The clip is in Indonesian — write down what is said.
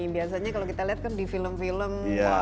biasanya kalau kita lihat kan di film film